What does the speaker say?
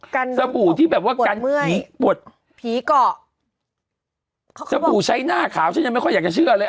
สบู่ที่แบบว่ากันผีปวดผีเกาะสบู่ใช้หน้าขาวฉันยังไม่ค่อยอยากจะเชื่อเลย